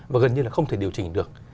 và gần như là không thể điều chỉnh được